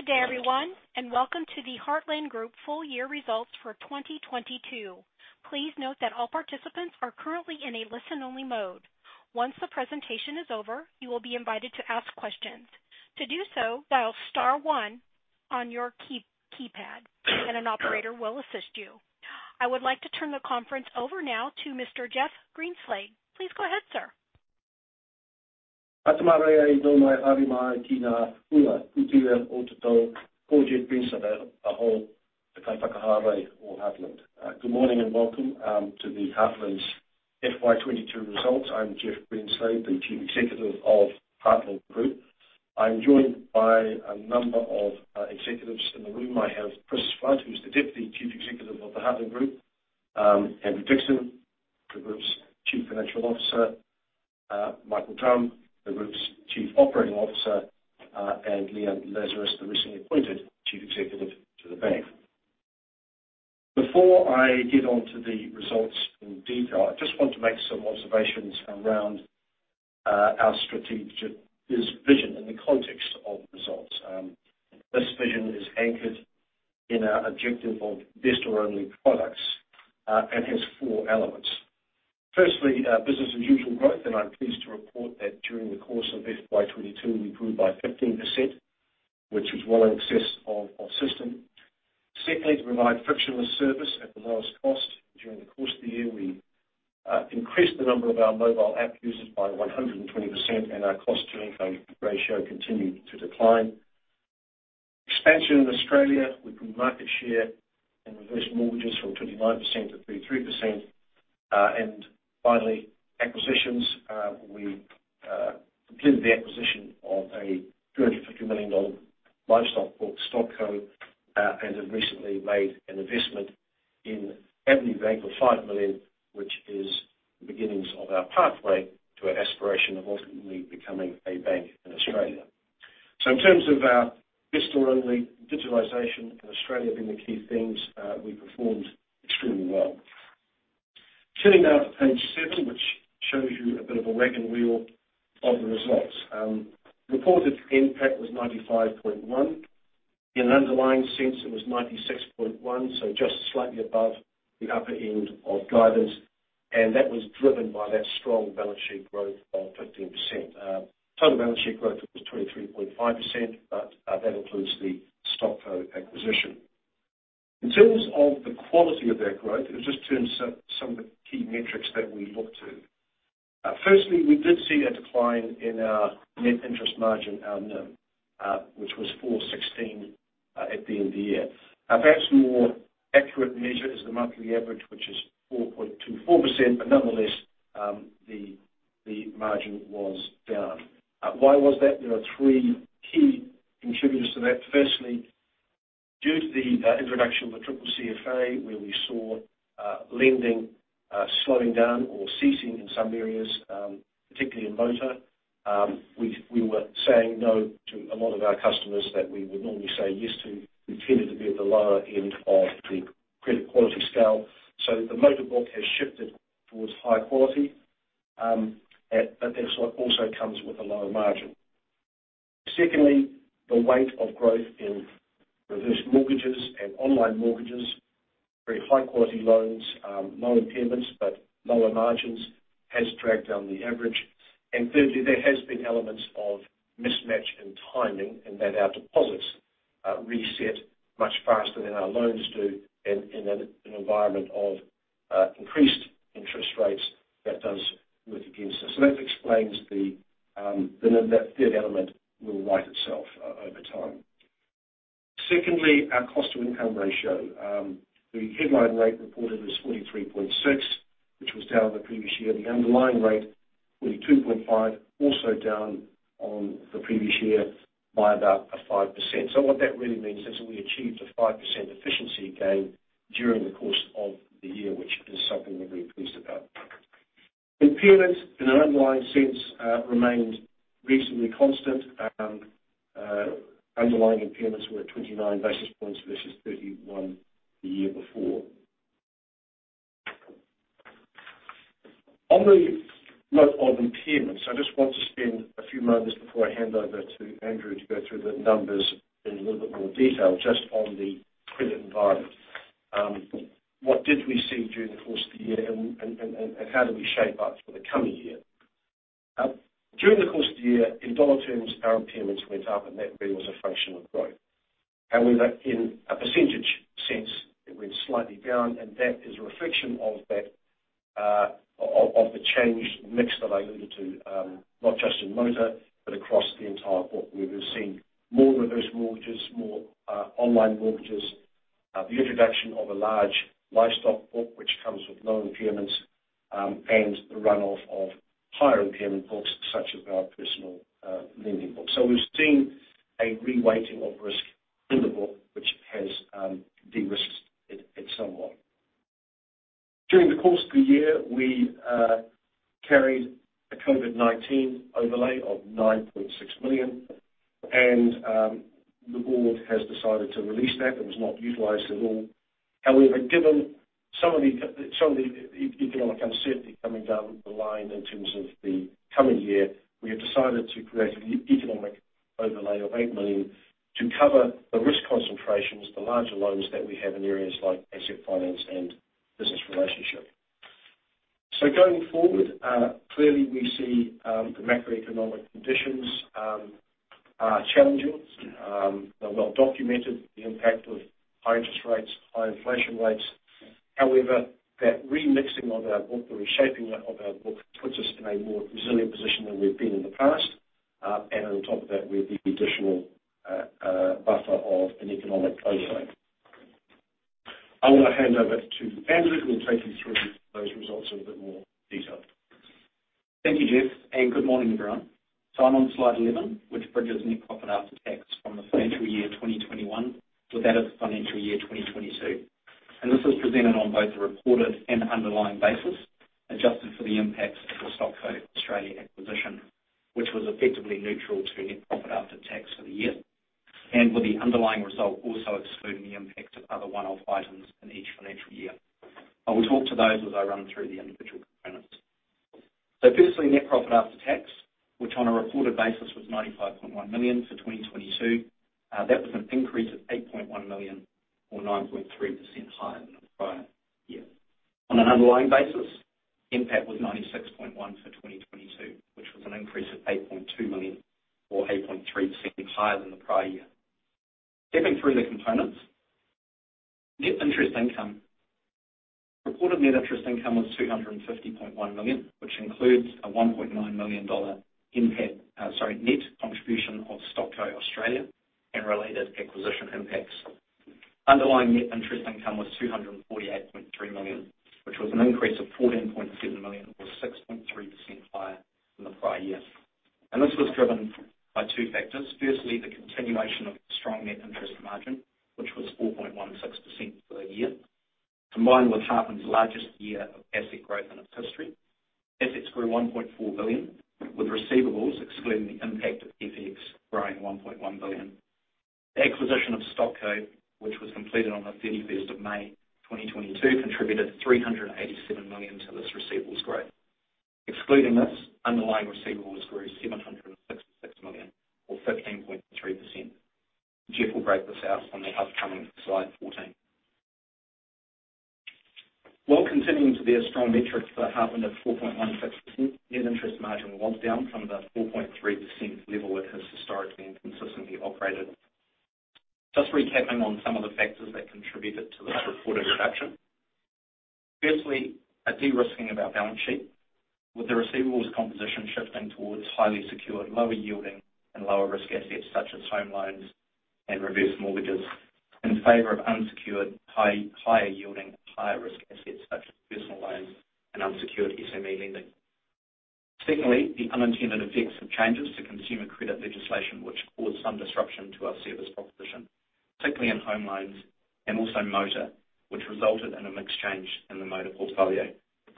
Good day everyone, and welcome to the Heartland Group Full Year Results For 2022. Please note that all participants are currently in a listen only mode. Once the presentation is over, you will be invited to ask questions. To do so, dial star one on your keypad, and an operator will assist you. I would like to turn the conference over now to Mr. Jeff Greenslade. Please go ahead, sir. Good morning and welcome to Heartland's FY 2022 results. I'm Jeff Greenslade, the Chief Executive of Heartland Group. I'm joined by a number of executives in the room. I have Chris Flood, who's the Deputy Chief Executive of Heartland Group, Andrew Dixson, the Group's Chief Financial Officer, Michael Drumm, the Group's Chief Operating Officer, and Leanne Lazarus, the recently appointed Chief Executive of the bank. Before I get onto the results in detail, I just want to make some observations around our strategic vision in the context of results. This vision is anchored in our objective of best or only products and has four elements. Firstly, business as usual growth, and I'm pleased to report that during the course of FY 2022, we grew by 15%, which was well in excess of our system. Secondly, to provide frictionless service at the lowest cost. During the course of the year, we increased the number of our mobile app users by 120%, and our cost-to-income ratio continued to decline. Expansion in Australia, we grew market share in reverse mortgages from 29%-33%. Finally, acquisitions. We completed the acquisition of a 42.5, also down on the previous year by about a 5%. What that really means is we achieved a 5% efficiency gain during the course of the year, which is something we're very pleased about. Impairments in an underlying sense remained reasonably constant. Underlying impairments were at 29 basis points versus 31 the year before. On the note of impairments, I just want to spend a few moments before I hand over to Andrew to go through the numbers in a little bit more detail, just on the credit environment. What did we see during the course of the year and how do we shape up for the coming year? During the course of the year, in dollar terms, our impairments went up, and that really was a function of growth. However, in a percentage sense, it went slightly down, and that is a reflection of that, of the changed mix that I alluded to, not just in motor, but across the entire book, where we've seen more reverse mortgages, more online mortgages, the introduction of a large livestock book, which comes with low impairments, and the run-off of higher impairment books such as our personal lending book. We've seen a reweighting of risk in the book, which has de-risked it somewhat. During the course of the year, we carried a COVID-19 overlay of 9.6 million, and the board has decided to release that. It was not utilized at all. However, given some of the economic uncertainty coming down the line in terms of the coming year, we have decided to create an economic overlay of 8 million to cover the risk concentrations, the larger loans that we have in areas like asset finance and business lending. Going forward, clearly we see the macroeconomic conditions are challenging, they're well documented, the impact of high interest rates, high inflation rates. However, that remixing of our book, the reshaping of our book, puts us in a more resilient position than we've been in the past. And on top of that, with the additional buffer of an economic overlay. I want to hand over to Andrew, who will take you through those results in a bit more detail. Thank you, Jeff, and good morning, everyone. I'm on slide 11, which bridges net profit after tax from the financial year 2021 with that of the financial year 2022. This is presented on both the reported and underlying basis, adjusted for the impacts of the StockCo Australia acquisition, which was effectively neutral to net profit after tax for the year. With the underlying result also excluding the impacts of other one-off items in each financial year. I will talk to those as I run through the individual components. Firstly, net profit after tax, which on a reported basis was 95.1 million for 2022. That was an increase of 8.1 million or 9.3% higher than the prior year. On an underlying basis, NPAT was 96.1 million for 2022, which was an increase of 8.2 million or 8.3% higher than the prior year. Stepping through the components. Net interest income. Reported net interest income was 250.1 million, which includes a 1.9 million dollar NPAT net contribution of StockCo Australia and related acquisition impacts. Underlying net interest income was NZD 248.3 million, which was an increase of NZD 14.7 million or 6.3% higher than the prior year. This was driven by two factors. Firstly, the continuation of strong net interest margin, which was 4.16% for the year, combined with Harmoney's largest year of asset growth in its history. Assets grew 1.4 billion, with receivables excluding the impact of FX growing 1.1 billion. The acquisition of StockCo, which was completed on the May 31st, 2022, contributed 387 million to this receivables growth. Excluding this, underlying receivables grew 766 million or 15.3%. Jeff will break this out on the upcoming slide 14. While continuing to be a strong metric for Heartland of 4.16%, net interest margin was down from the 4.3% level it has historically and consistently operated. Just recapping on some of the factors that contributed to this reported reduction. Firstly, a de-risking of our balance sheet, with the receivables composition shifting towards highly secured, lower yielding, and lower risk assets such as home loans and reverse mortgages in favor of unsecured, higher yielding, higher risk assets such as personal loans and unsecured SME lending. Secondly, the unintended effects of changes to consumer credit legislation, which caused some disruption to our service proposition, particularly in home loans and also motor, which resulted in a mixed change in the motor portfolio.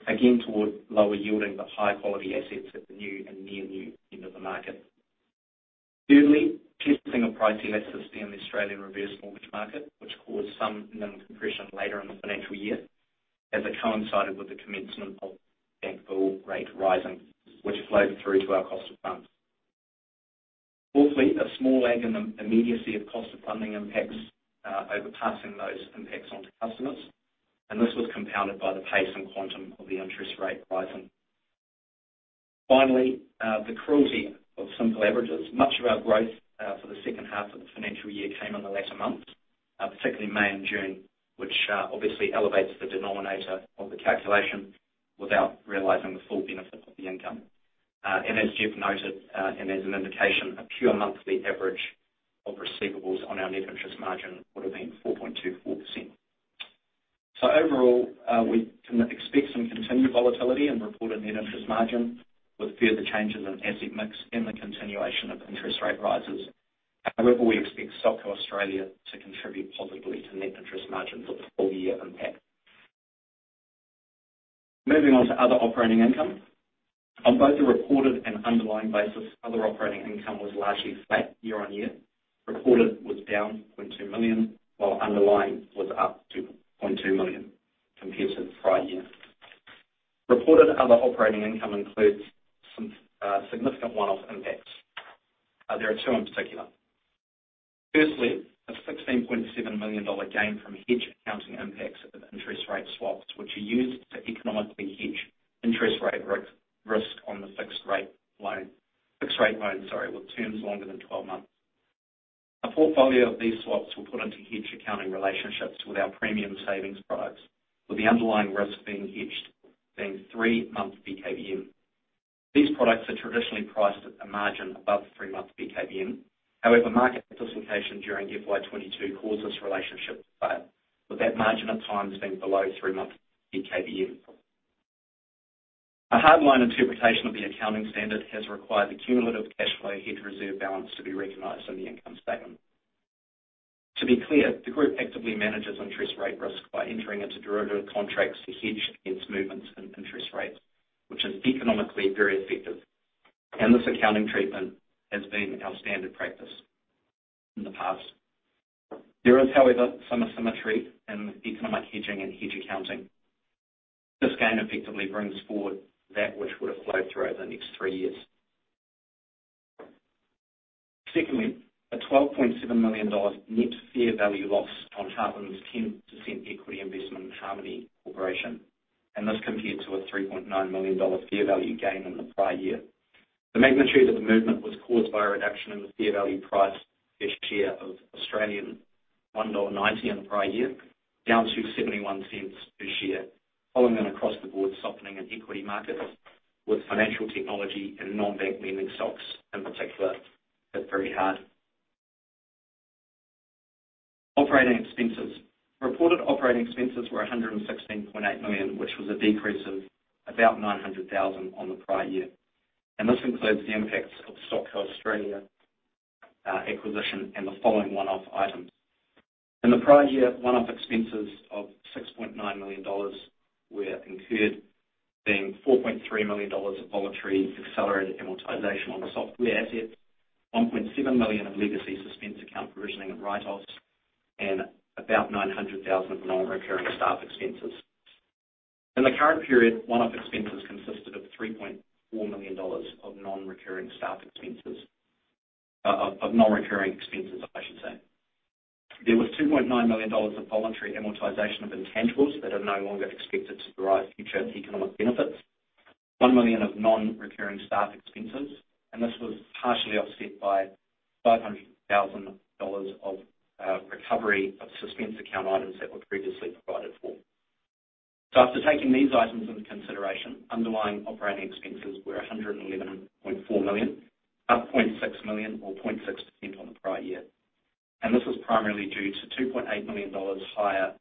Again, toward lower yielding but high-quality assets at the new and near new end of the market. Thirdly, testing a price elasticity in the Australian reverse mortgage market, which caused some margin compression later in the financial year as it coincided with the commencement of bank bill rate rising, which flowed through to our cost of funds. Fourthly, a small lag in the immediacy of cost of funding impacts, passing those impacts onto customers. This was compounded by the pace and quantum of the interest rate rising. Finally, the cruelty of simple averages. Much of our growth for the second half of the financial year came in the latter months, particularly May and June, which obviously elevates the denominator of the calculation without realizing the full benefit of the income. As Jeff noted, as an indication, a pure monthly average of receivables on our net interest margin would have been 4.24%. Overall, we can expect some continued volatility in reported net interest margin with further changes in asset mix and the continuation of interest rate rises. However, we expect StockCo Australia to contribute positively to net interest margin for the full year impact. Moving on to other operating income. On both the reported and underlying basis, other operating income was largely flat year-on-year. Reported was down 0.2 million, while underlying was up 2.2 million compared to the prior year. Reported other operating income includes some significant one-off impacts. There are two in particular. Firstly, a 16.7 million dollar gain from hedge accounting impacts of interest rate swaps, which are used to economically hedge interest rate risk on the fixed rate loans, sorry, with terms longer than 12 months. A portfolio of these swaps were put into hedge accounting relationships with our premium savings products, with the underlying risk being hedged three-month BKBM. These products are traditionally priced at a margin above 3-month BKBM. However, market participation during FY 2022 caused this relationship to fail, with that margin at times being below 3-month BKBM. A hard line interpretation of the accounting standard has required the cumulative cash flow hedge reserve balance to be recognized on the income statement. To be clear, the group actively manages interest rate risk by entering into derivative contracts to hedge against movements in interest rates, which is economically very effective. This accounting treatment has been our standard practice. In the past. There is, however, some asymmetry in economic hedging and hedge accounting. This gain effectively brings forward that which would have flowed through over the next three years. Secondly, a NZD 12.7 million net fair value loss on Heartland's 10% equity investment in Harmoney Corporation, and this compared to a 3.9 million dollar fair value gain in the prior year. The magnitude of the movement was caused by a reduction in the fair value price per share of 1.90 Australian dollars in the prior year, down to 0.71 per share, following an across the board softening in equity markets, with financial technology and non-bank lending stocks, in particular, hit very hard. Operating expenses. Reported operating expenses were 116.8 million, which was a decrease of about 900,000 on the prior year. This includes the impacts of the StockCo Australia acquisition and the following one-off items. In the prior year, one-off expenses of 6.9 million dollars were incurred, being 4.3 million dollars of voluntary accelerated amortization on software assets, 1.7 million of legacy suspense account provisioning and write-offs, and about 900,000 of non-recurring staff expenses. In the current period, one-off expenses consisted of 3.4 million dollars of non-recurring expenses, I should say. There was 2.9 million dollars of voluntary amortization of intangibles that are no longer expected to provide future economic benefits, 1 million of non-recurring staff expenses, and this was partially offset by 500 thousand dollars of recovery of suspense account items that were previously provided for. After taking these items into consideration, underlying operating expenses were 111.4 million, up 0.6 million or 0.6% on the prior year. This was primarily due to NZD 2.8 million higher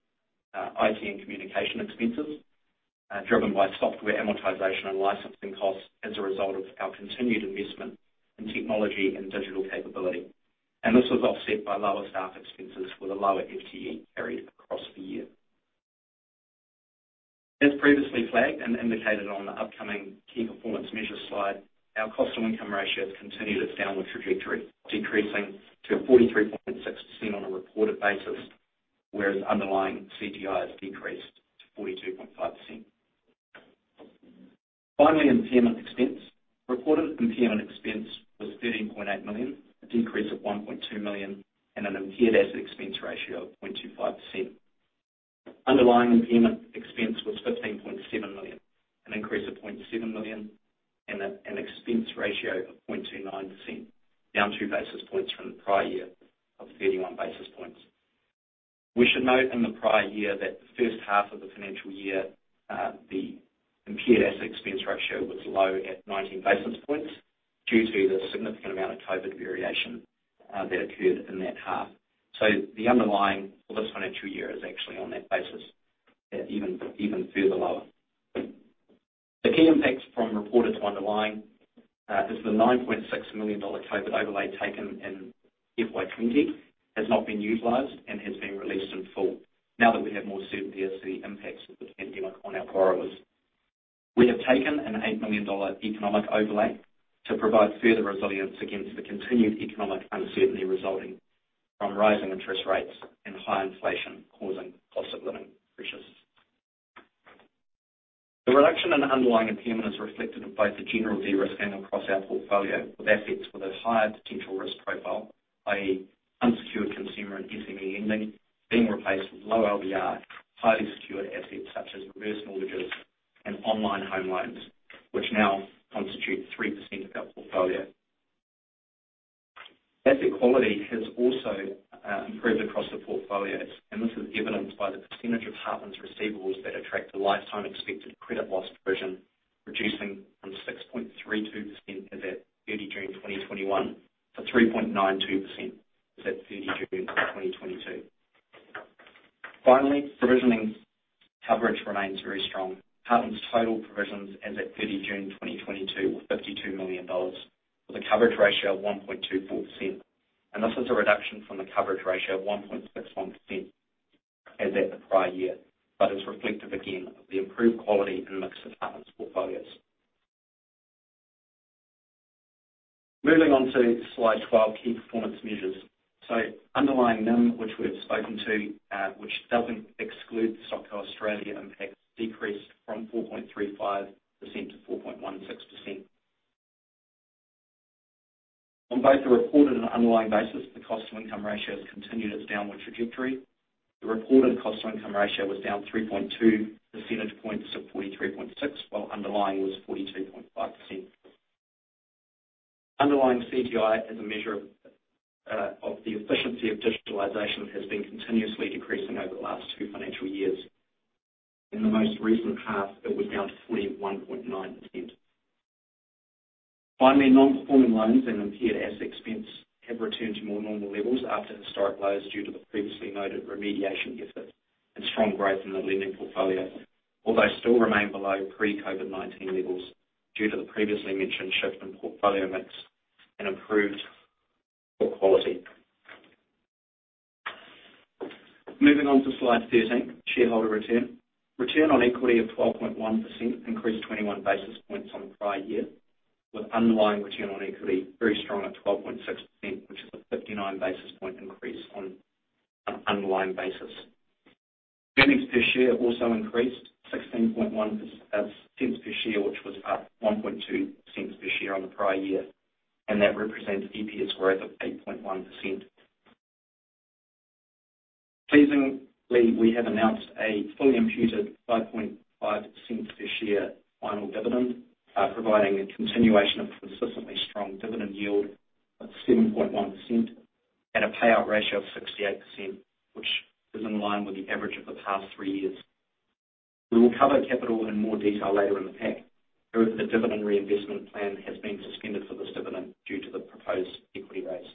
IT and communication expenses, driven by software amortization and licensing costs as a result of our continued investment in technology and digital capability. This was offset by lower staff expenses with a lower FTE carried across the year. As previously flagged and indicated on the upcoming key performance measures slide, our cost-to-income ratio has continued its downward trajectory, decreasing to 43.6% on a reported basis, whereas underlying CTI has decreased to 42.5%. Finally, impairment expense. Reported impairment expense was 13.8 million, a decrease of 1.2 million, and an impaired asset expense ratio of 0.25%. Underlying impairment expense was 15.7 million, an increase of 0.7 million and an expense ratio of 0.29%, down 2 basis points from the prior year of 31 basis points. We should note in the prior year that the first half of the financial year, the impaired asset expense ratio was low at 19 basis points due to the significant amount of COVID variation that occurred in that half. The underlying for this financial year is actually on that basis, even further lower. The key impacts from reported to underlying, is the 9.6 million dollar COVID overlay taken in FY 2020 has not been utilized and has been released in full now that we have more certainty as to the impacts of the pandemic on our borrowers. We have taken an 8 million dollar economic overlay 12, key performance measures. Underlying NIM, which we've spoken to, which doesn't exclude the StockCo Australia impact, decreased from 4.35% to 4.16%. On both a reported and underlying basis, the cost-to-income ratio has continued its downward trajectory. The reported cost-to-income ratio was down 3.2 percentage points to 43.6%, while underlying was 42.5%. Underlying CTI as a measure of the efficiency of digitalization has been continuously decreasing over the last two financial years. In the most recent half, it was down to 41.9%. Finally, non-performing loans and impaired asset expense have returned to more normal levels after historic lows due to the previously noted remediation effort and strong growth in the lending portfolio, although still remain below pre-COVID-19 levels due to the previously mentioned shift in portfolio mix and improved quality. Moving on to slide 13, shareholder return. Return on equity of 12.1% increased 21 basis points on the prior year, with underlying return on equity very strong at 12.6%, which is a 59 basis point increase on an underlying basis. Earnings per share also increased 0.161 per share, which was up 0.012 per share on the prior year, and that represents EPS growth of 8.1%. Pleasingly, we have announced a fully imputed 0.055 per share final dividend, providing a continuation of a consistently strong dividend yield of 7.1% at a payout ratio of 68%, which is in line with the average of the past three years. We will cover capital in more detail later in the pack. However, the dividend reinvestment plan has been suspended for this dividend due to the proposed equity raise.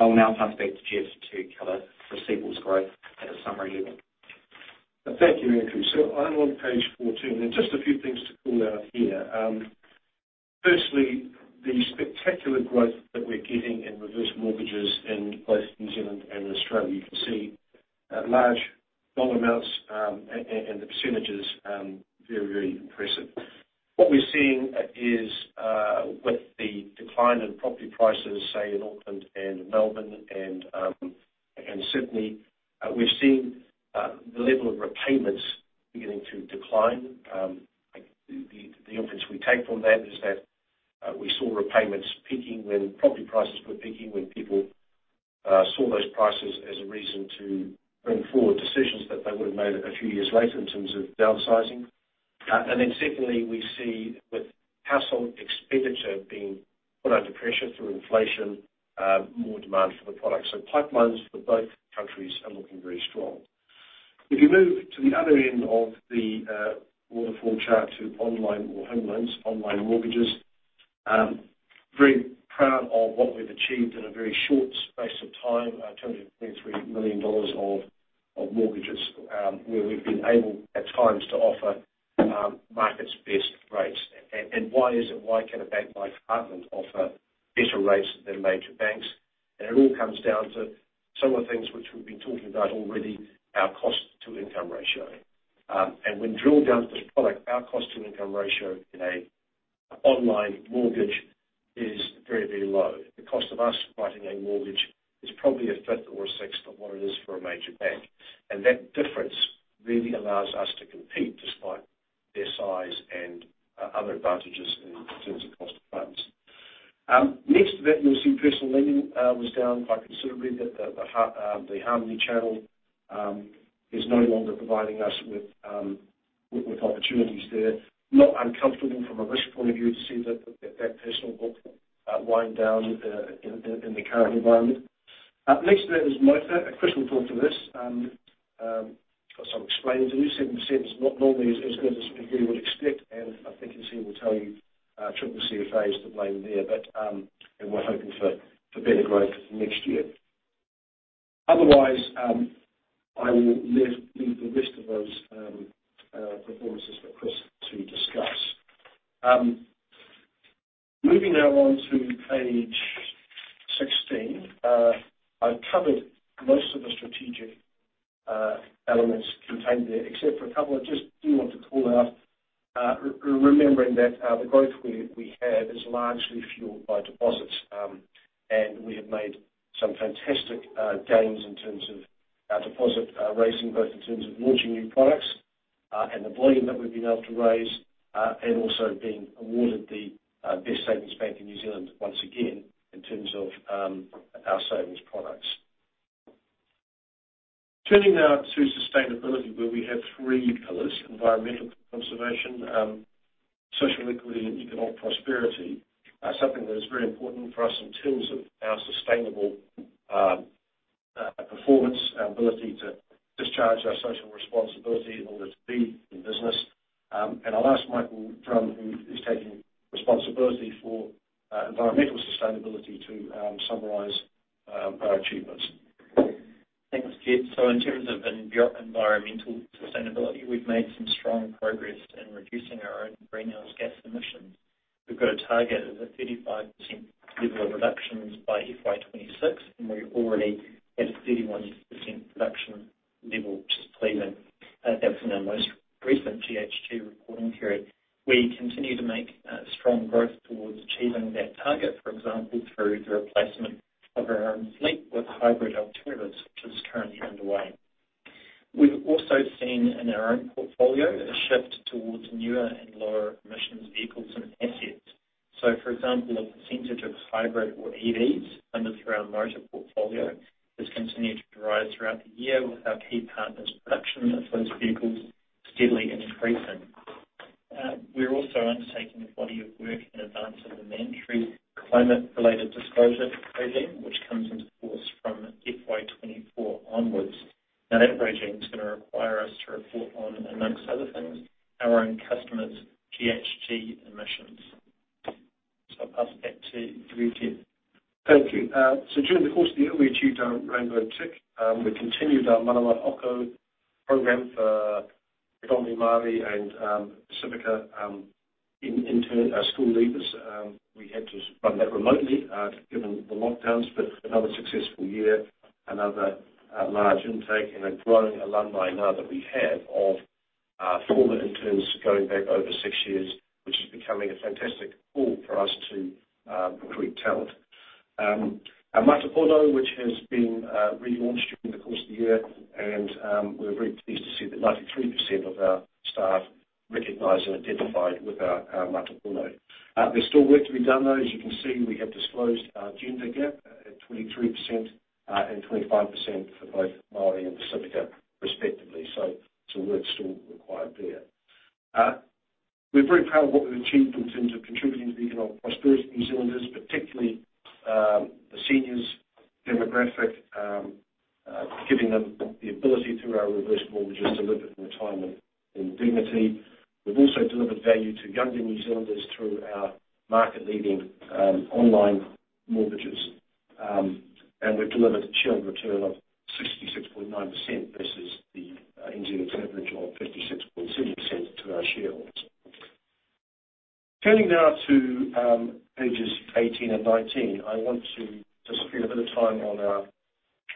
I will now pass back to Jeff to cover receivables growth at a summary level. Thank you, Andrew. I'm on page 14, and just a few things to call out here. Firstly, the spectacular growth that we're getting in reverse mortgages in both New Zealand and Australia. You can see large dollar amounts and the percentages very, very impressive. What we're seeing is with the decline in property prices, say in Auckland and Melbourne and Sydney, we're seeing the level of repayments beginning to decline. Like, the inference we take from that is that we saw repayments peaking when property prices were peaking, when people saw those prices as a reason to bring forward decisions that they would've made a few years later in terms of downsizing. Secondly, we see with household expenditure being put under pressure through inflation, more demand for the product. Pipelines elements contained there, except for a couple I just do want to call out. Remembering that the growth we had is largely fueled by deposits. We have made some fantastic gains in terms of our deposit raising, both in terms of launching new products and the volume that we've been able to raise and also being awarded the best savings bank in New Zealand once again in terms of our savings products. Turning now to sustainability, where we have three pillars, environmental conservation, social equity, and economic prosperity. Something that is very important for us in terms of our sustainable performance, our ability to discharge our social responsibility in order to be in business. I'll ask Michael Drumm, who is taking responsibility for environmental sustainability, to summarize our achievements. Thanks, Jeff. In terms of environmental sustainability, we've made some strong progress in reducing our own greenhouse gas emissions. We've got a target of a 35% level of reductions by FY 2026, and we're already at a 31% reduction level, which is pleasing. That's in our most recent GHG reporting period. We continue to make strong growth towards achieving that target, for example, through the replacement of our own fleet with hybrid alternatives, which is currently underway. We've also seen in our own portfolio a shift towards newer and lower emissions vehicles and assets. For example, the percentage of hybrid or EVs under through our motor portfolio has continued to rise throughout the year with our key partners' production of those vehicles steadily increasing. We're also undertaking a body of work in advance of the mandatory climate-related disclosure regime, which comes into force from FY 2024 onwards. Now, that regime is gonna require us to report on, among other things, our own customers' GHG emissions. I'll pass back to you, Jeff. Thank you. During the course of the year, we achieved our Rainbow Tick. We continued our Manawa Ako program for predominantly Māori and Pasifika intern school leavers. We had to run that remotely given the lockdowns, but another successful year, another large intake and a growing alumni now that we have of former interns going back over six years, which is becoming a fantastic pool for us to recruit talent. Our mātāpono, which has been relaunched during the course of the year, and we're very pleased to see that 93% of our staff recognize and identify with our mātāpono. There's still work to be done, though. As you can see, we have disclosed our gender gap at 23% and 25% for both Māori and Pasifika respectively. There's some work still required there. We're very proud of what we've achieved in terms of contributing to the economic prosperity of New Zealanders, particularly, the seniors demographic, giving them the ability through our reverse mortgages to live in retirement in dignity. We've also delivered value to younger New Zealanders through our market-leading, online mortgages. We've delivered a shareholder return of 66.9% versus the NZ average of 56.6% to our shareholders. Turning now to pages 18 and 19. I want to just spend a bit of time on our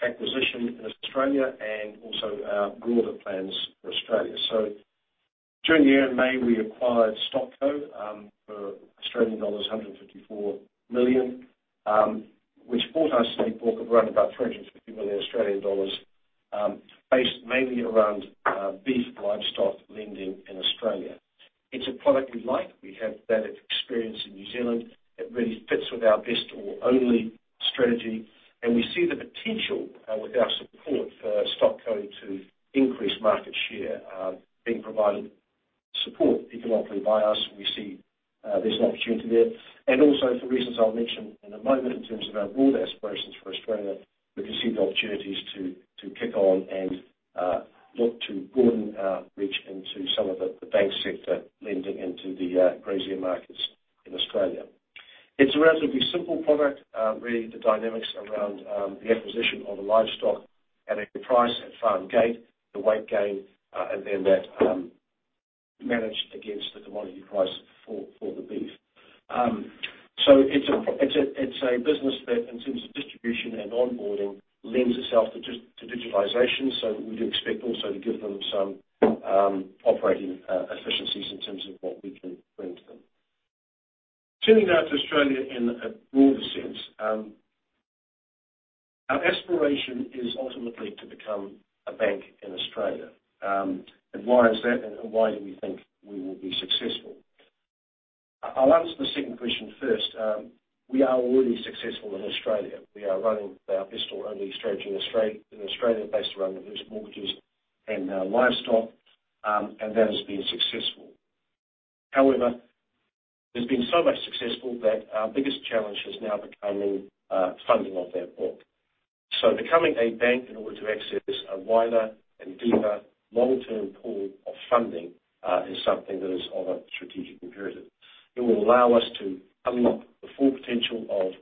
acquisition in Australia and also our broader plans for Australia. During the year in May, we acquired StockCo for Australian dollars 154 million, which brought our loan book of around about 350 We are running our best or only strategy in Australia based around reverse mortgages and livestock, and that has been successful. However, it's been so successful that our biggest challenge has now become funding of that book. Becoming a bank in order to access a wider and deeper long-term pool of funding is something that is a strategic imperative. It will allow us to unlock the full potential of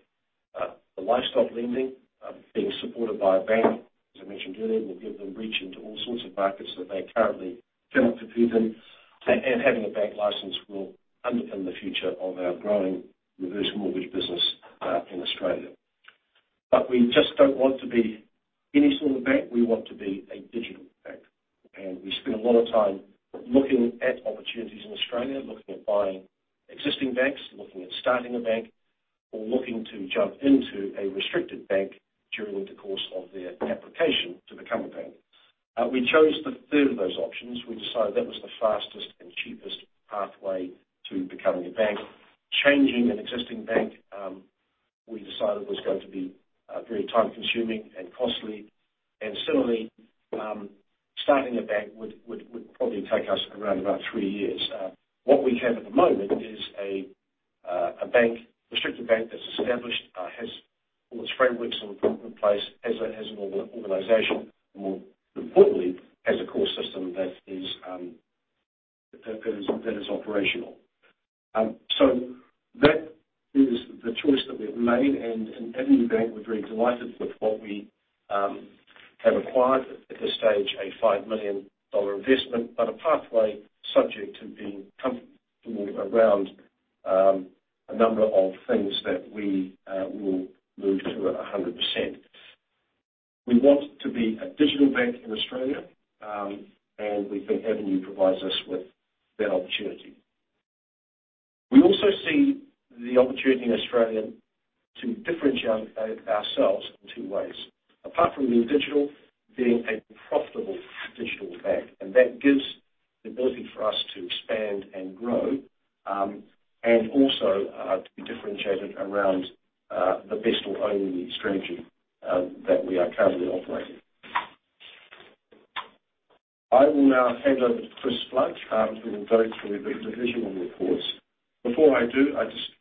the livestock lending, being supported by a bank, as I mentioned earlier, will give them reach into all sorts of markets that they currently cannot compete in, and having a bank license will underpin the future of our growing reverse mortgage business in Australia. We just don't want to be any sort of bank. We want to be a digital bank, and we spent a lot of time looking at opportunities in Australia, looking at buying existing banks, looking at starting a bank, or looking to jump into a restricted bank during the course of their application to become a bank. We chose the third of those options. We decided that was the fastest and cheapest pathway to becoming a bank. Changing an existing bank, we decided was going to be very time-consuming and costly. Similarly, starting a bank would probably take us around about three years. What we have at the moment is a restricted bank that's established, has all its frameworks in place, has an organization, more importantly, has a core system that is operational. That is the choice that we've made, and Avenue Bank, we're very delighted with what we have acquired. At this stage, an 5 million dollar investment, but a pathway subject to being comfortable around a number of things that we will move to at 100%. We want to be a digital bank in Australia, and we think Avenue provides us with that opportunity. We also see the opportunity in Australia to differentiate ourselves in two ways. Apart from being digital, being a profitable digital bank, and that gives the ability for us to expand and grow, and also to be differentiated around the best or only strategy that we are currently operating. I will now hand over to Chris Flood, who will go through the divisional reports. Before I do, I just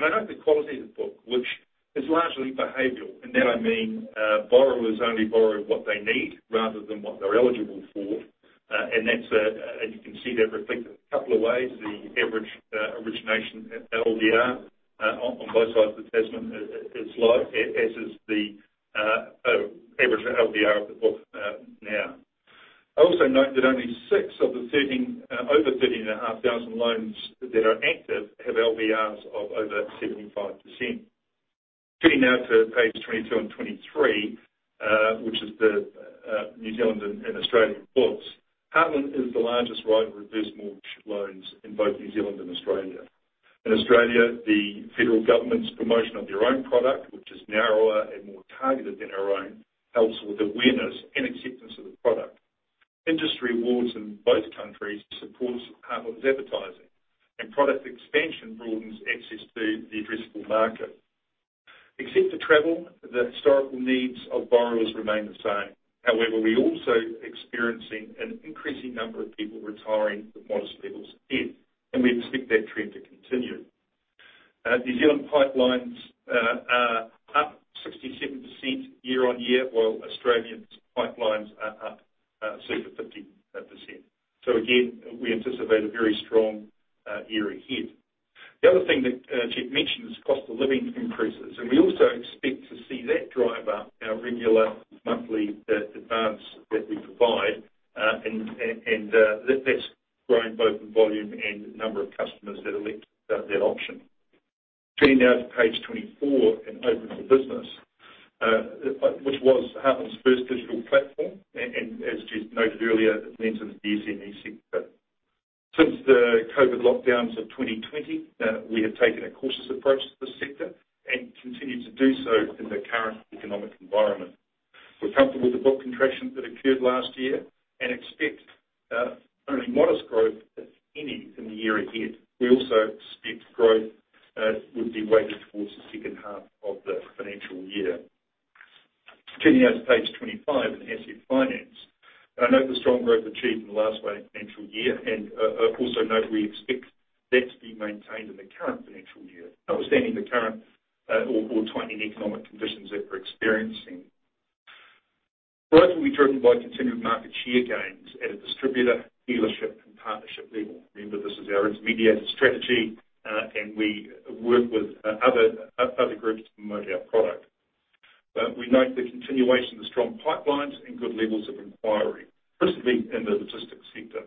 risk. I note the quality of the book, which is largely behavioral. In that, I mean, borrowers only borrow what they need rather than what they're eligible for. That's, as you can see, reflected a couple of ways. The average origination LVR on both sides of Tasman is low, as is the average LVR of the book now. I also note that only 6% of the over 30,500 loans that are active have LVRs of over 75%. Turning now to page 22 and 23, which is the New Zealand and Australia books. Heartland is the largest writer of reverse mortgage loans in both New Zealand and Australia. In Australia, the federal government's promotion of their own product, which is narrower and more targeted than our own, helps with awareness and acceptance of the product. Industry awards in both countries supports Heartland's advertising and product expansion broadens access to the addressable market. Except for travel, the historical needs of borrowers remain the same. However, we're also experiencing an increasing number of people retiring with modest levels of debt, and we expect that trend to continue. New Zealand pipelines are up 67% year-on-year, while Australian pipelines are up super 50%. Again, we anticipate a very strong year ahead. The other thing that Jeff mentioned is cost of living increases, and we also expect to see that drive up our regular monthly advance that we provide. And that's grown both in volume and number of customers that elect that option. Turning now to page 24 and Open for Business, which was Heartland's first digital platform, and as Jeff noted earlier, it lends to the SME sector. Since the COVID lockdowns of 2020, we have taken a cautious approach to this sector and continue to do so in the current economic environment. We're comfortable with the book contractions that occurred last year and expect only modest growth, if any, in the year ahead. We also expect growth would be weighted towards the second half of the financial year. Turning now to page 25 in Asset Finance. I note the strong growth achieved in the last financial year and also note we expect that to be maintained in the current financial year, notwithstanding the current tightening economic conditions that we're experiencing. Growth will be driven by continued market share gains at a distributor, dealership, and partnership level. Remember, this is our intermediated strategy, and we work with other groups to promote our product. We note the continuation of strong pipelines and good levels of inquiry, principally in the logistics sector.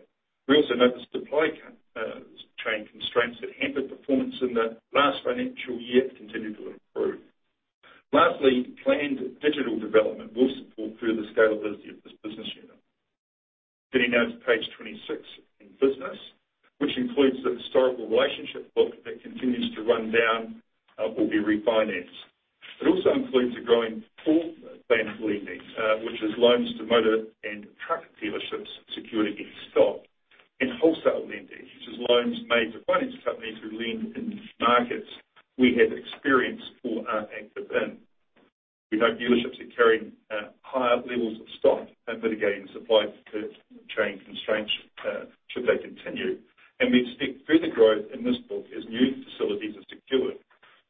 We also note the supply chain constraints that hampered performance in the last financial year continue to improve. Lastly, planned digital development will support further scalability of this business unit. Getting now to page 26 in Business, which includes the historical relationship book that continues to run down or be refinanced. It also includes a growing floor plan lending, which is loans to motor and truck dealerships secured against stock, and wholesale lending, which is loans made to finance companies who lend in markets we have experience or are active in. We know dealerships are carrying higher levels of stock and mitigating supply chain constraints should they continue, and we expect further growth in this book as new facilities are secured.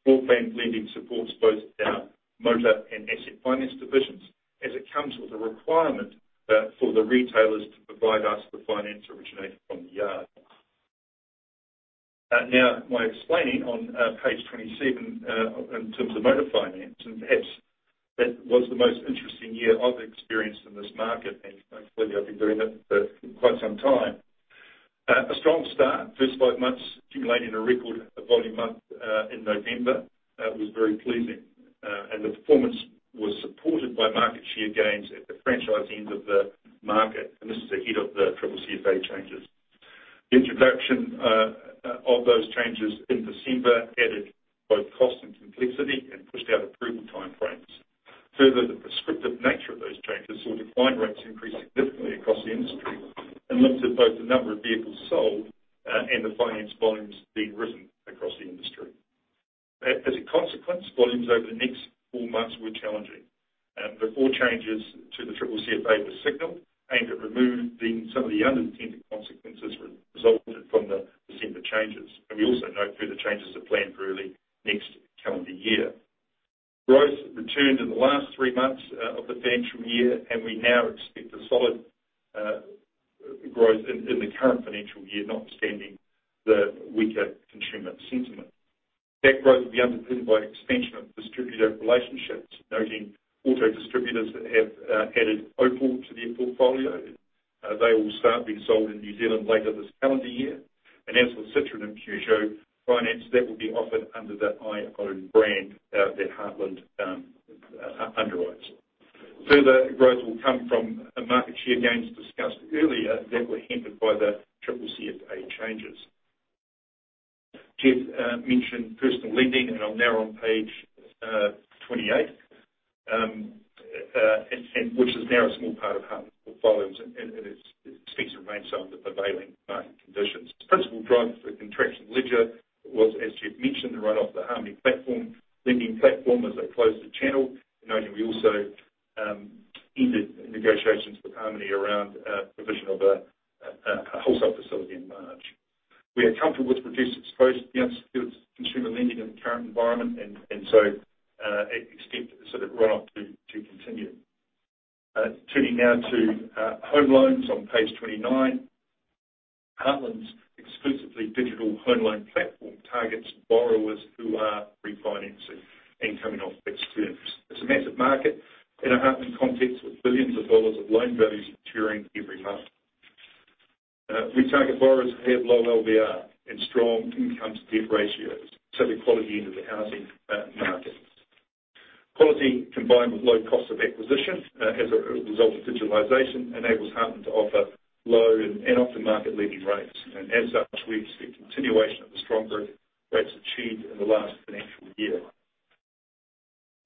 Broad-based lending supports both our motor and asset finance divisions, as it comes with a requirement for the retailers to provide us the finance originated from the yard. Now, my explanation on page 27 in terms of motor finance, and perhaps that was the most interesting year I've experienced in this market, and hopefully I'll be doing it for quite some time. A strong start. First five months accumulating a record volume up in November was very pleasing. The performance was supported by market share gains at the franchise end of the market, and this is ahead of the CCCFA changes. The introduction of those changes in December added both cost and complexity and pushed out approval timeframes. Further, decline rates increased significantly across the industry and limited both the number of vehicles sold and the finance volumes being written across the industry. As a consequence, volumes over the next four months were challenging. Before changes to the CCCFA were signaled, aimed at removing some of the unintended consequences resulted from the December changes. We also note further changes are planned for early next calendar year. Growth returned in the last three months of the financial year, and we now expect a solid growth in the current financial year, notwithstanding the weaker consumer sentiment. That growth will be underpinned by expansion of distributor relationships, noting auto distributors have added Opel to their portfolio. They will start being sold in New Zealand later this calendar year. As for Citroën and Peugeot Finance, that will be offered under the iOWN brand that Heartland underwrites. Further growth will come from market share gains discussed earlier that were hindered by the CCCFA changes. Jeff mentioned personal lending, and I'm now on page 28, which is now a small part of Heartland portfolios, and it speaks to the range under prevailing market conditions. Principal drive for contraction ledger was, as Jeff mentioned, the write-off of the Harmoney lending platform, as they closed the channel, noting we also ended negotiations with Harmoney around provision of a wholesale facility in March. We are comfortable with reduced exposure to unsecured consumer lending in the current environment and so expect sort of write-off to continue. Turning now to home loans on page 29. Heartland's exclusively digital home loan platform targets borrowers who are refinancing and coming off fixed periods. It's a massive market in a Heartland context, with billions dollars of loan values maturing every month. We target borrowers who have low LVR and strong income-to-debt ratios, so the quality end of the housing market. Quality combined with low cost of acquisition, as a result of digitalization, enables Heartland to offer low and often market-leading rates. As such, we expect continuation of the strong growth rates achieved in the last financial year.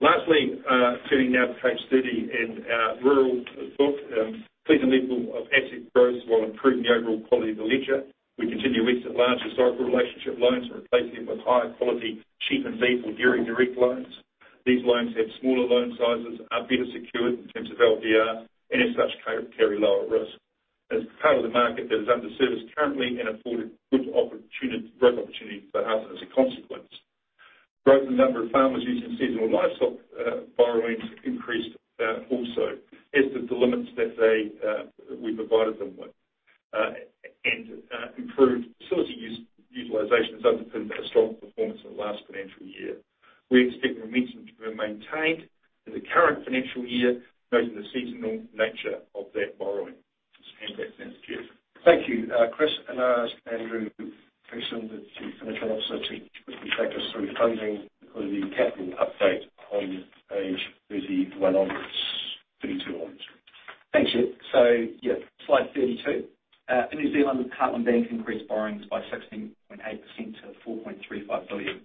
Lastly, turning now to page 30 in our rural book. Pleasing level of asset growth while improving the overall quality of the ledger. We continue to exit large historical relationship loans and replace them with higher quality sheep and beef or dairy direct loans. These loans have smaller loan sizes, are better secured in terms of LVR, and as such, carry lower risk. As part of the market that is underserviced currently and afforded good opportunities for growth for Heartland as a consequence. Growth in the number of farmers using seasonal livestock borrowings increased also as the limits that we provided them with. Improved facility utilization has underpinned a strong performance in the last financial year. We expect momentum to be maintained in the current financial year, noting the seasonal nature of that borrowing. Just hand back now to Jeff. Thank you, Chris. I'll ask Andrew Dixson, the Chief Financial Officer, to quickly take us through the funding or the capital update on page 31 onward, 32 onward. Thank you. Yeah, slide 32. In New Zealand, Heartland Bank increased borrowings by 16.8% to 4.35 billion.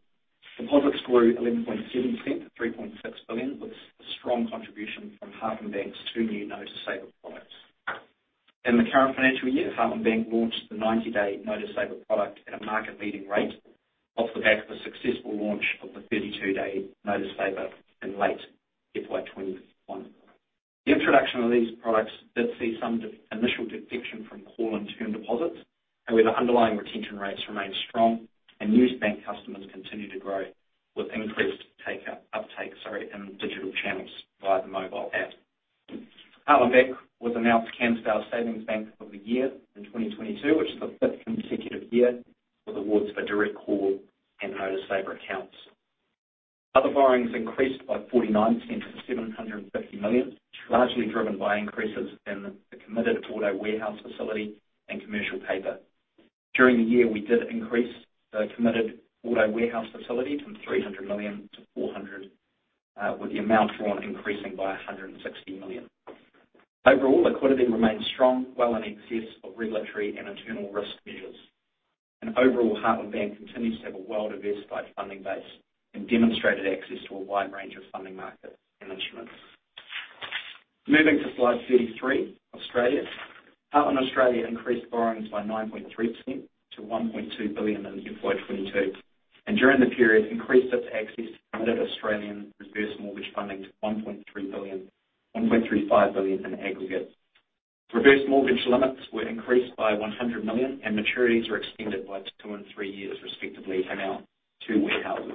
Deposits grew 11.7% to 3.6 billion, with strong contribution from Heartland Bank's two new Notice Saver products. In the current financial year, Heartland Bank launched the 90-day Notice Saver product at a market-leading rate off the back of a successful launch of the 32-day Notice Saver in late FY 2021. The introduction of these products did see some initial deflection from call and term deposits. However, underlying retention rates remained strong and new bank customers continued to grow with increased uptake in digital channels via the mobile app. Heartland Bank was announced Canstar Savings Bank of the Year in 2022, which is the fifth consecutive year it awards for direct call and Notice Saver accounts. Other borrowings increased by 49% to 750 million, largely driven by increases in the committed auto warehouse facility and commercial paper. During the year, we did increase the committed auto warehouse facility from 300 million to 400 million with the amount drawn increasing by 160 million. Overall, liquidity remains strong, well in excess of regulatory and internal risk measures. Overall, Heartland Bank continues to have a well-diversified funding base and demonstrated access to a wide range of funding markets and instruments. Moving to slide 33, Australia. Heartland Australia increased borrowings by 9.3% to 1.2 billion in FY 2022, and during the period, increased its access to committed Australian reverse mortgage funding to 1.3 billion, 1.35 billion in aggregate. Reverse mortgage limits were increased by 100 million, and maturities were extended by two and three years respectively in our two warehouses.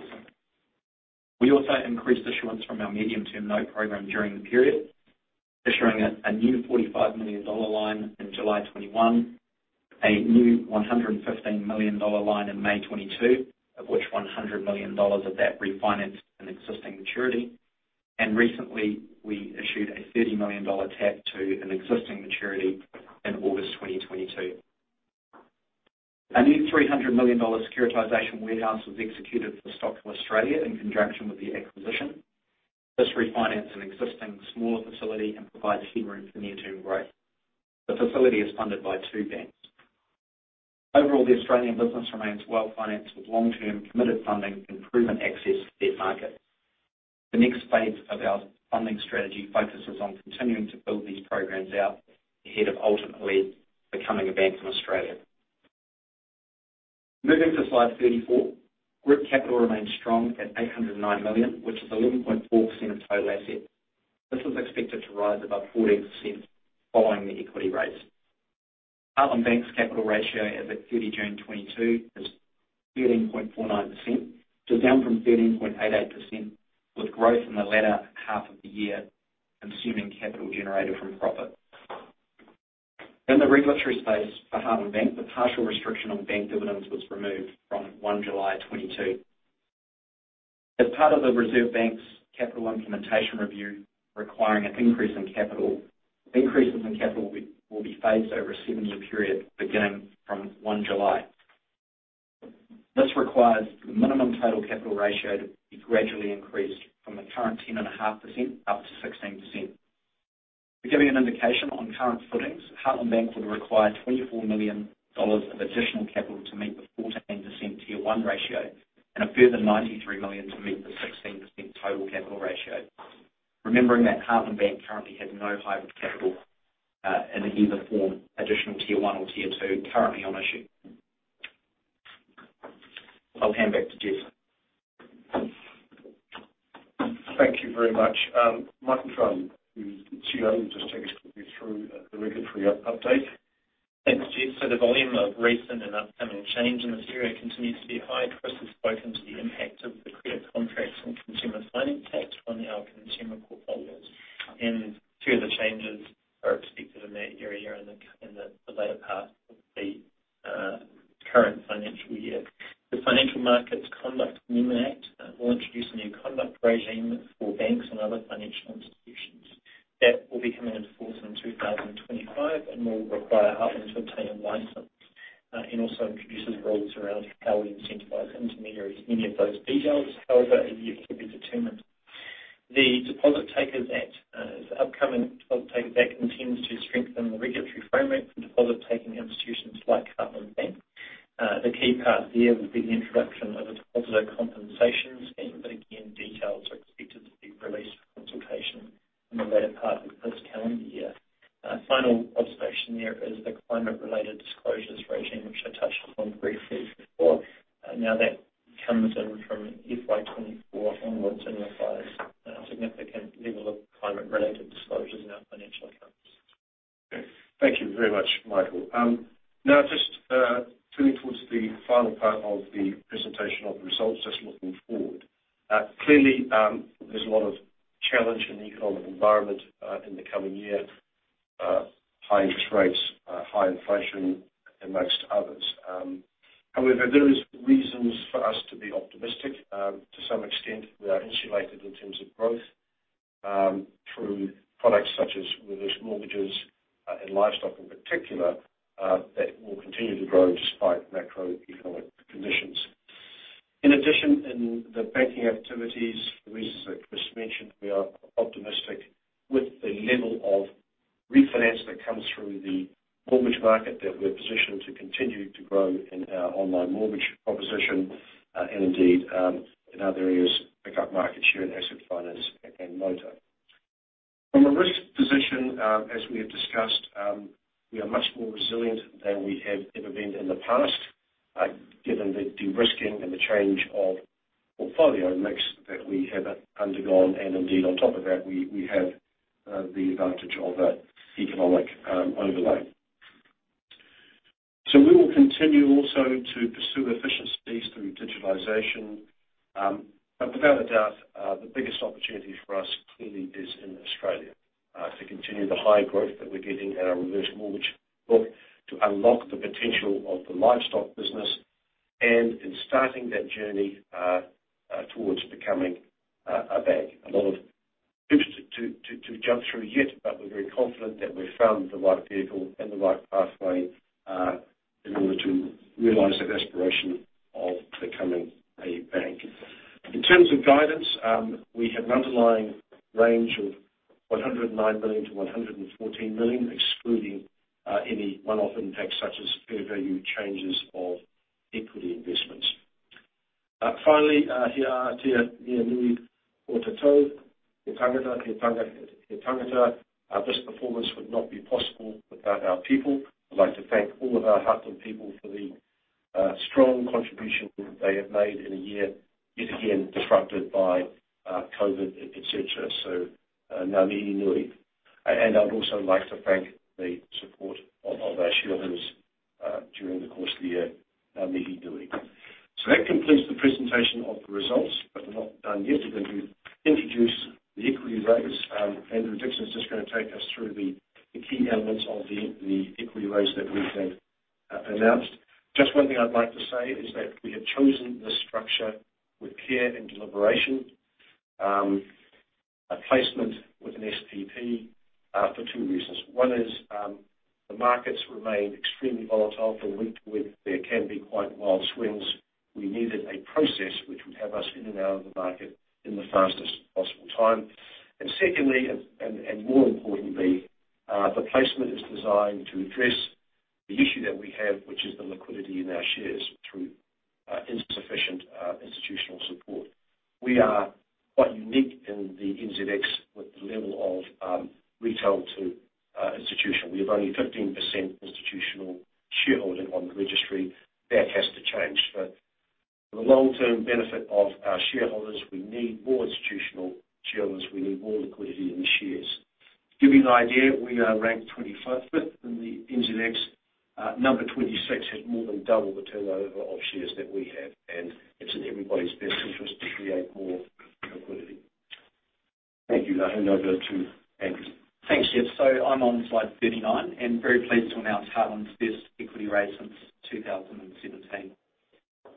We also increased issuance from our medium-term note program during the period, issuing a new NZD 45 million line in July 2021, a new NZD 115 million line in May 2022, of which NZD 100 million of that refinanced an existing maturity. Recently, we issued a NZD 30 million TAP to an existing maturity in August 2022. A new 300 million dollar securitization warehouse was executed for StockCo Australia in conjunction with the acquisition. This refinanced an existing smaller facility and provides headroom for near-term growth. The facility is funded by two banks. Overall, the Australian business remains well-financed with long-term committed funding and proven access to that market. The next phase of our funding strategy focuses on continuing to build these programs out ahead of ultimately becoming a bank in Australia. Moving to slide 34. Group capital remains strong at 809 million, which is 11.4% of total assets. This is expected to rise above 14% following the equity raise. Heartland Bank's capital ratio as at 30 June 2022 is 13.49%, so down from 13.88% with growth in the latter half of the year, consuming capital generated from profit. In the regulatory space for Heartland Bank, the partial restriction on bank dividends was removed from July 1st, 2022. As part of the Reserve Bank of New Zealand's capital implementation review requiring an increase in capital, increases in capital will be phased over a seven-year period, beginning from July 1st. This requires the minimum total capital ratio to be gradually increased from the current 10.5% up to 16%. To give you an indication on current footings, Heartland Bank would require 24 million dollars of additional capital to meet the 14% tier one ratio and a further 93 million to meet the 16% total capital ratio. Remembering that Heartland Bank currently has no hybrid capital, in either form, additional tier one or tier two, currently on issue. I'll hand back to Jeff. Thank you very much. Michael Drumm, who's the CEO, will just take us quickly through the regulatory update. Thanks, Jeff. The volume of recent and upcoming change in this area continues to be high. Chris has spoken to the impact of the Credit Contracts and Consumer Finance Act on our consumer portfolios, and further changes are expected in that area in the later part of the current financial year. The Financial Markets Conduct Amendment Act will introduce a new conduct regime for banks and other financial institutions. That will be coming into force in 2025 and will require Heartland to obtain a license and also introduces rules around how we incentivize intermediaries. Many of those details, however, are yet to be determined. The upcoming Deposit Takers Act intends to strengthen the regulatory framework for deposit-taking institutions like Heartland Bank. The key part there will be the introduction of a deposit compensation scheme, but again, details are expected to be released for consultation in the later part of this calendar year. Final observation there is the climate-related disclosures regime, which I touched on equity investments. Finally, this performance would not be possible without our people. I'd like to thank all of our Heartland people for the strong contribution they have made in a year, yet again, disrupted by COVID, et cetera. And I would also like to thank the support of our shareholders during the course of the year. That concludes the presentation of the results, but we're not done yet. We're going to introduce the equity raise. Andrew Dixson's just gonna take us through the key elements of the equity raise that we have announced. Just one thing I'd like to say is that we have chosen this structure with care and deliberation, a placement with an SPP, for two reasons. One is, the markets remain extremely volatile. From week to week, there can be quite wild swings. We needed a process which would have us in and out of the market in the fastest possible time. Secondly, and more importantly, the placement is designed to address the issue that we have, which is the liquidity in our shares through insufficient institutional support. We are quite unique in the NZX with the level of retail to institutional. We have only 15% institutional shareholding on the registry. That has to change. For the long-term benefit of our shareholders, we need more institutional shareholders. We need more liquidity in the shares. To give you an idea, we are ranked 25th in the NZX. Number 26 has more than double the turnover of shares that we have, and it's in everybody's best interest to create more liquidity. Thank you. I hand over to Andrew. Thanks, Jeff. I'm on slide 39, and very pleased to announce Heartland's first equity raise since 2017.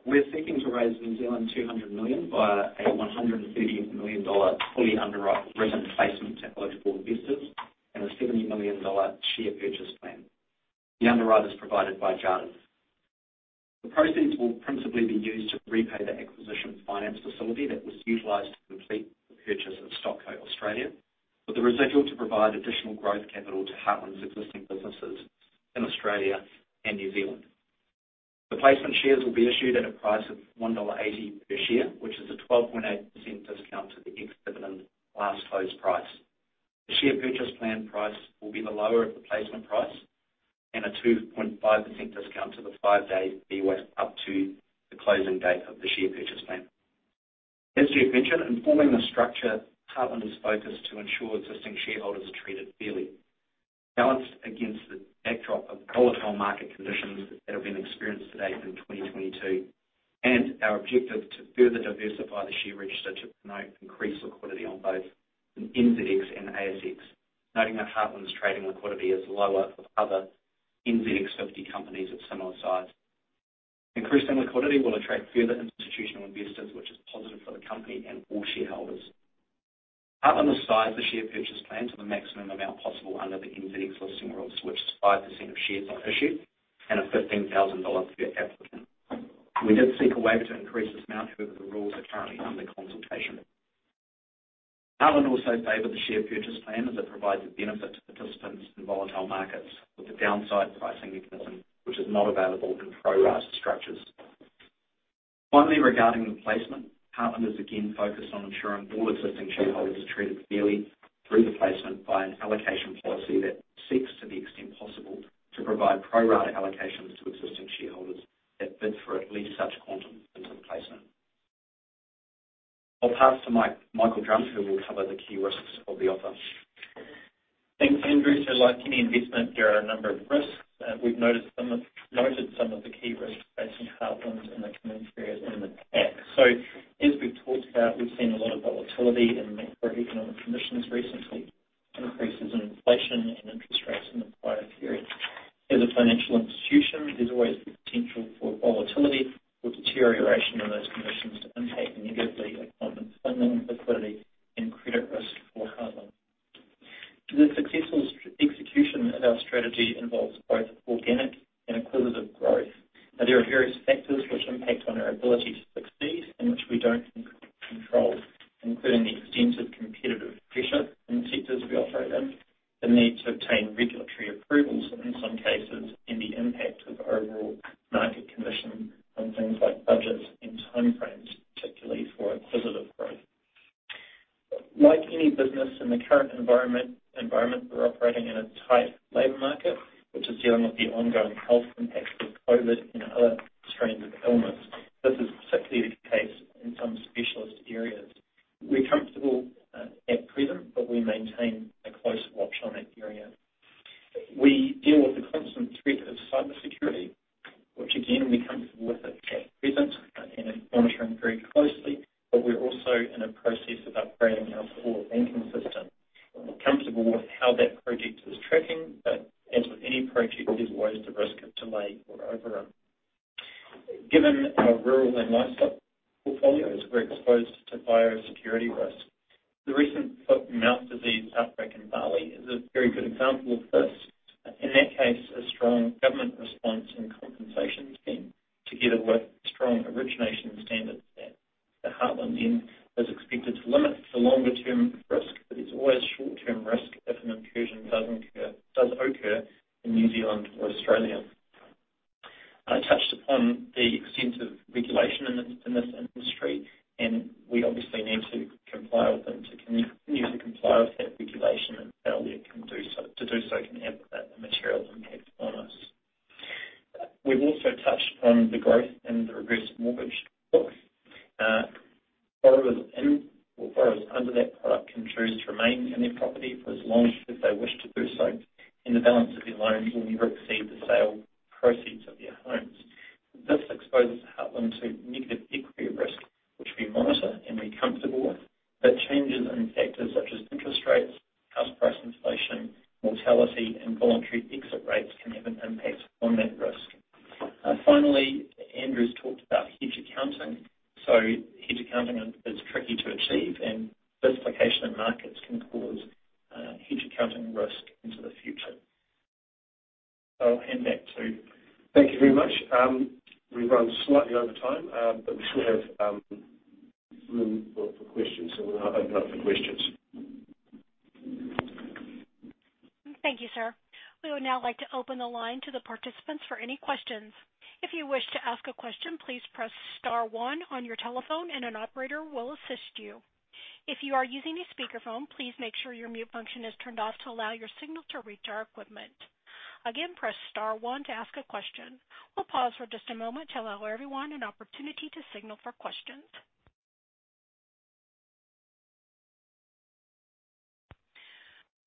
We're seeking to raise 200 million New Zealand dollars via a 130 million dollar fully underwritten placement to eligible investors and a 70 million dollar share purchase plan. The underwrite is provided by Jarden. The proceeds will principally be used to repay the acquisition finance facility that was utilized to complete the purchase of StockCo Australia, with the residual to provide additional growth capital to Heartland's existing businesses in Australia and New Zealand. The placement shares will be issued at a price of 1.80 dollar per share, which is a 12.8% discount to the ex-dividend last closed price. The share purchase plan price will be the lower of the placement price and a 2.5% discount to the five day VWAP up to the closing date of the share purchase plan. As Jeff mentioned, in forming the structure, Heartland is focused to ensure existing shareholders are treated fairly, balanced against the backdrop of volatile market conditions that have been experienced to date in 2022, and our objective to further diversify the share register to promote increased liquidity on both the NZX and ASX, noting that Heartland's trading liquidity is lower than other NZX 50 companies of similar size. Increasing liquidity will attract further institutional investors, which is positive for the company and all shareholders. Heartland will size the share purchase plan to the maximum amount possible under the NZX listing rules, which is 5% of shares issued and a 15,000 dollars per applicant. We did seek a waiver to increase this amount. However, the rules are currently under consultation. Heartland also favored the share purchase plan as it provides a benefit to participants in volatile markets with the downside pricing mechanism, which is not available in pro-rata structures. Finally, regarding the placement, Heartland is again focused on ensuring all existing shareholders are treated fairly through the placement by an allocation policy that seeks, to the extent possible, to provide pro-rata allocations to existing shareholders that bid for at least such quantum into the placement. I'll pass to Michael Drumm, who will cover the key risks of the offer. Thanks, Andrew. Like any investment, there are a number of risks. We've noted some of the key risks facing Heartland in the coming period in the pack. As we've talked about, we've seen a lot of volatility in macroeconomic conditions recently, increases in inflation and interest rates in the prior period. As a financial institution, there's always the potential for volatility or deterioration of those conditions to impact negatively on Heartland's funding, liquidity, and credit risk for Heartland. The successful execution of our strategy involves both organic and acquisitive growth, and there are various factors which impact on our ability to succeed and which we don't control, including the extensive competitive pressure in the sectors we operate in, the need to obtain regulatory approvals in some cases, and the impact of overall market conditions on things like budgets and timeframes, particularly for acquisitive growth. Like any business in the current environment, we're operating in a tight labor market, which is dealing with the ongoing health impacts of COVID and other strains of illness. This is particularly the case in some specialist areas. We're comfortable at present, but we maintain a close watch on that area. We deal with the constant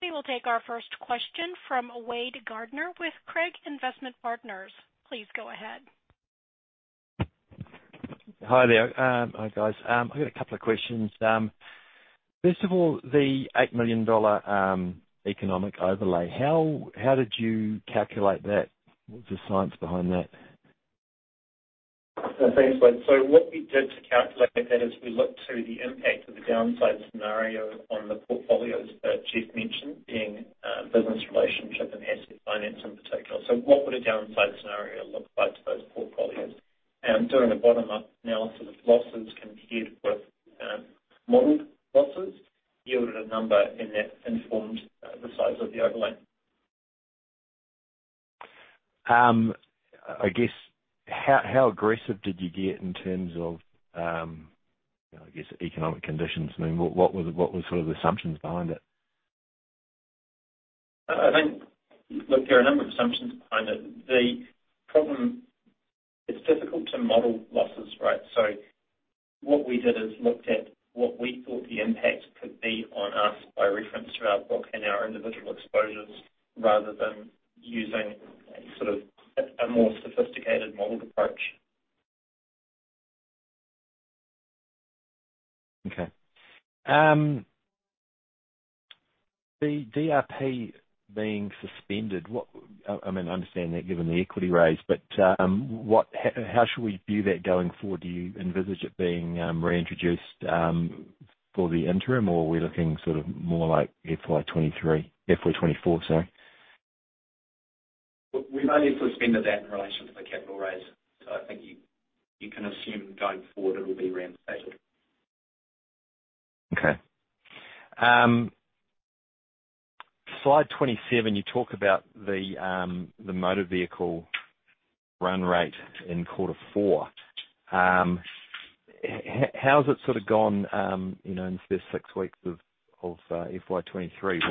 We will take our first question from Wade Gardiner with Craigs Investment Partners. Please go ahead. Hi there. Hi guys. I've got a couple of questions. First of all, the 8 million dollar economic overlay. How did you calculate that? What's the science behind that? Thanks, Wade. What we did to calculate that is we looked to the impact of the downside scenario on the portfolios that Jeff mentioned, being business relationship and asset finance in particular. What would a downside scenario look like to those portfolios? Doing a bottom-up analysis of losses compared with modeled losses yielded a number, and that informed the size of the overlay. I guess how aggressive did you get in terms of, I guess, economic conditions? I mean, what were sort of the assumptions behind it? I think, look, there are a number of assumptions behind it. The problem. It's difficult to model losses, right? What we did is looked at what we thought the impact could be on us by reference to our book and our individual exposures rather than using sort of a more sophisticated modeled approach. The DRP being suspended, I mean, I understand that given the equity raise, but how should we view that going forward? Do you envisage it being reintroduced for the interim, or are we looking sort of more like FY 2023, FY 2024, sorry? We've only suspended that in relation to the capital raise. I think you can assume going forward it'll be reinstated. Okay. Slide 27, you talk about the motor vehicle run rate in Q4. How's it sort of gone, you know, in the first six weeks of FY 2023?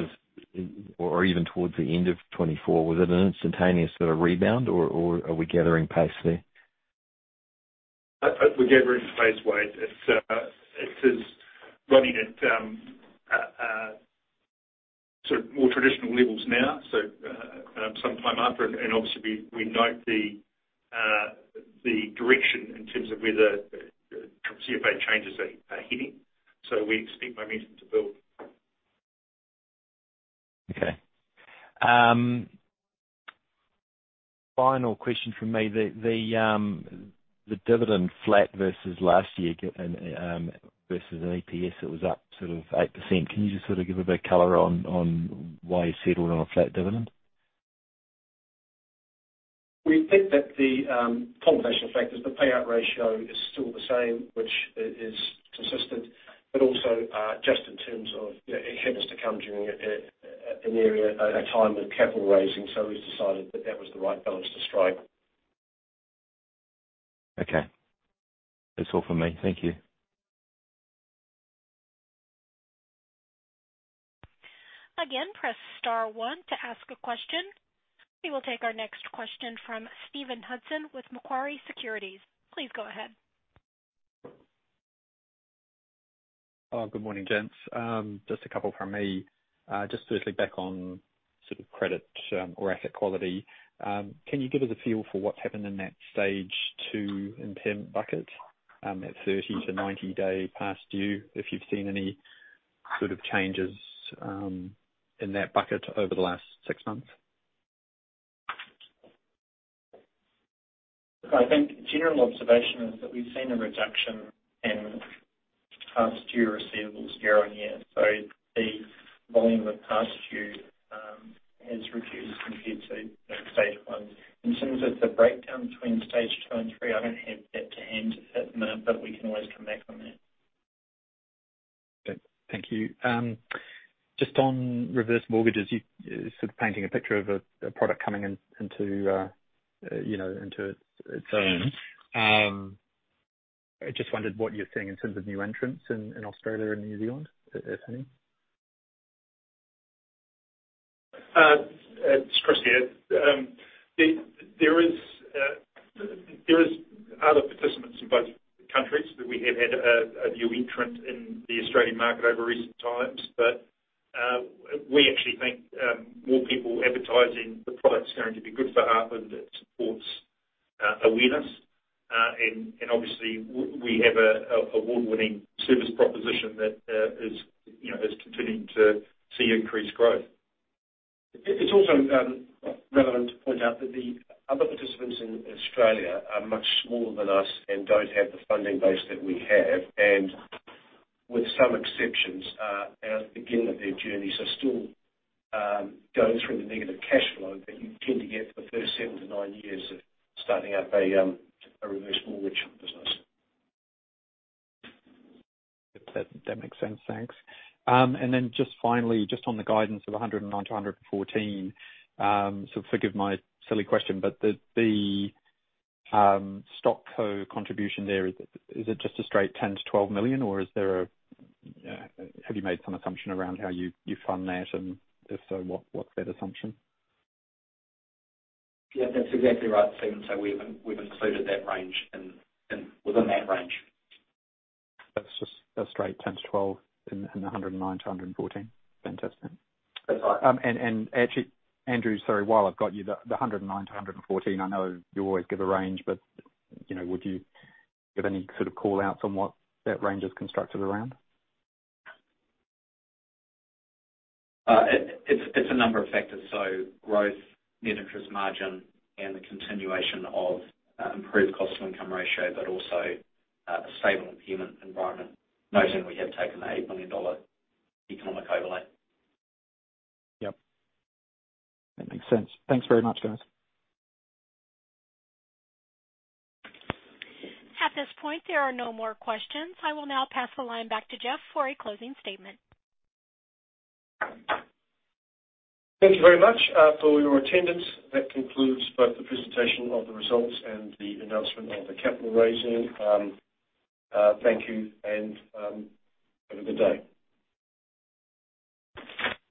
Or even towards the end of 2024. Was it an instantaneous sort of rebound or are we gathering pace there? We're gathering pace, Wade. It is running at sort of more traditional levels now, so some time after. Obviously we note the direction in terms of whether CCCFA changes are hitting. We expect momentum to build. Okay. Final question from me. The dividend flat versus last year and versus an EPS that was up sort of 8%, can you just sort of give a bit of color on why you settled on a flat dividend? We think that the combination of factors, the payout ratio is still the same, which is consistent, but also just in terms of, you know, it happens to come during a time of capital raising. We've decided that that was the right balance to strike. Okay. That's all from me. Thank you. Again, press star one to ask a question. We will take our next question from Stephen Hudson with Macquarie Securities. Please go ahead. Oh, good morning, gents. Just a couple from me. Just firstly back on sort of credit, or asset quality. Can you give us a feel for what's happened in that Stage two impaired bucket, at 30- to 90-day past due, if you've seen any sort of changes, in that bucket over the last six months? I think general observation is that we've seen a reduction in past due receivables year on year. The volume of past due has reduced compared to stage one. In terms of the breakdown between stage two and three, I don't have that to hand, at the minute, but we can always come back on that. Okay. Thank you. Just on reverse mortgages, you're sort of painting a picture of a product coming into its own. I just wondered what you're seeing in terms of new entrants in Australia and New Zealand, if any? It's Chris here. There is other participants in both countries. We have had a new entrant in the Australian market over recent times. We actually think more people advertising the product is going to be good for Heartland. It supports awareness. Obviously we have a award-winning service proposition that is, you know, is continuing to see increased growth. It's also relevant to point out that the other participants in Australia are much smaller than us and don't have the funding base that we have. With some exceptions, at the beginning of their journey. Still, going through the negative cash flow that you tend to get for the first seven to nine years of starting up a reverse mortgage business. That makes sense. Thanks. Just finally, just on the guidance of 109-114, so forgive my silly question, but the StockCo contribution there, is it just a straight 10 million-12 million or have you made some assumption around how you fund that? And if so, what's that assumption? Yeah, that's exactly right, Stephen. We've included that range within that range. That's just a straight 10-12 in the 109-114. Fantastic. That's right. Actually, Andrew, sorry, while I've got you, the 109-114, I know you always give a range, but you know, would you give any sort of call-outs on what that range is constructed around? It's a number of factors, so growth, net interest margin, and the continuation of improved cost-to-income ratio, but also a stable impairment environment. Noting we have taken the 8 million dollar economic overlay. Yep. That makes sense. Thanks very much, guys. At this point, there are no more questions. I will now pass the line back to Jeff for a closing statement. Thank you very much for your attendance. That concludes both the presentation of the results and the announcement of the capital raising. Thank you and have a good day.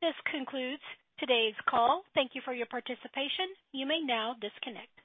This concludes today's call. Thank you for your participation. You may now disconnect.